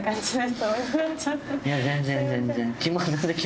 いや全然全然。